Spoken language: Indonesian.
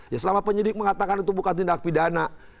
ya selama penyidik mengatakan itu bukan tindak pidana